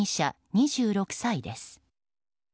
２６歳です。